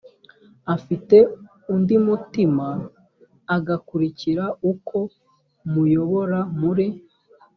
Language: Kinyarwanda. afite undi mutima agakurikira uko muyobora muri